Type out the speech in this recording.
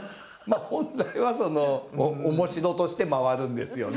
本来はそのおもしろとして回るんですよね。